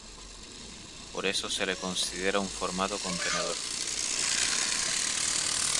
Por eso se le considera un formato contenedor.